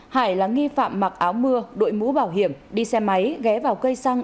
hải là nghi phạm mặc áo mưa đội mũ bảo hiểm đi xe máy ghé vào cây xăng